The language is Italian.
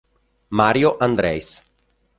Mario Andreis